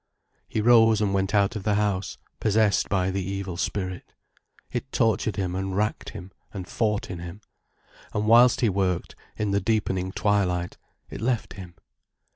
He rose and went out of the house, possessed by the evil spirit. It tortured him and wracked him, and fought in him. And whilst he worked, in the deepening twilight, it left him.